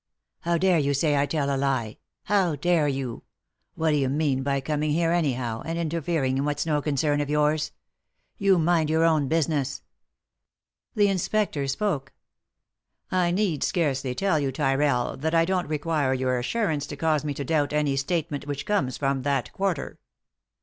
How dare you say I tell a lie ?— how dare you ? What do you mean by coming here anyhow, and interfering in what's no concern of yours ? You mind your own business 1 " The inspector spoke. " I need scarcely tell you, Tyrrell, that I don't v 321 3i 9 iii^d by Google THE INTERRUPTED KISS require your assurance to cause me to doubt any statement which comes from that quarter."